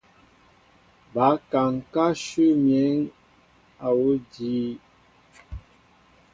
Ba kaŋ ká nshu miǝn awuŭ àjii.